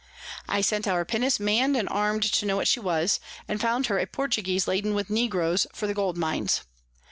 I sent our Pinnace mann'd and arm'd to know what she was, and found her a Portuguese laden with Negroes for the Gold Mines.